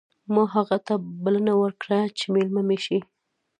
ما هغه ته بلنه ورکړه چې مېلمه مې شي